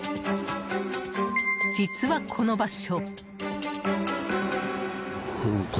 実は、この場所。